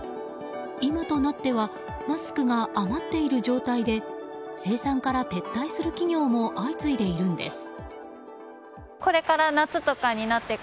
今となってはマスクが余っている状態で生産から撤退する企業も相次いでいるんです。